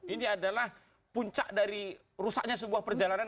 ini adalah puncak dari rusaknya sebuah perjalanan